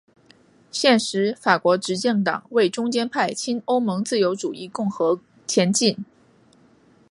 现时法国执政党为中间派亲欧盟自由主义共和前进！